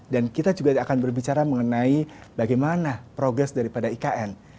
dan kita juga akan berbicara mengenai bagaimana progres daripada ikn